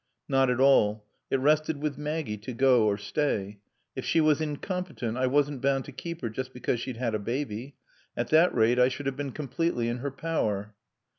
"Not at all. It rested with Maggie to go or stay. If she was incompetent I wasn't bound to keep her just because she'd had a baby. At that rate I should have been completely in her power."